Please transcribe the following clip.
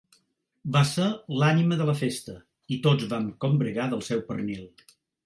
Va ser l'ànima de la festa i tots vam combregar del seu pernil.